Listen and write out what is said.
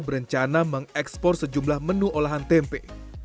berencana mengekspor sejumlah menu olahan tempe